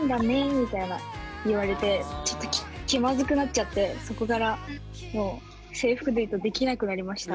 みたいな言われてちょっと気まずくなっちゃってそこからもう制服デートできなくなりました。